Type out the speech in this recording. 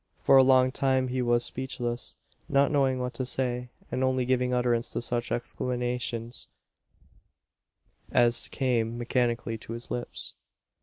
For a long time he was speechless not knowing what to say and only giving utterance to such exclamations as came mechanically to his lips.